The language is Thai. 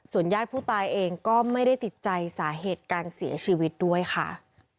ญาติผู้ตายเองก็ไม่ได้ติดใจสาเหตุการเสียชีวิตด้วยค่ะ